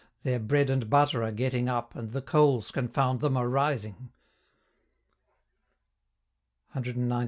Their bread and butter are getting up, And the coals, confound them, are rising.